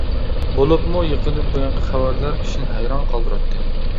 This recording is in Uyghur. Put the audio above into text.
بولۇپمۇ يېقىندىن بۇيانقى خەۋەرلەر كىشىنى ھەيران قالدۇراتتى.